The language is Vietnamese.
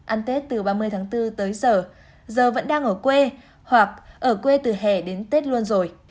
ăn tết từ ba mươi tháng bốn tới giờ giờ giờ vẫn đang ở quê hoặc ở quê từ hè đến tết luôn rồi